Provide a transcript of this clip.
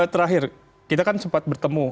terakhir kita kan sempat bertemu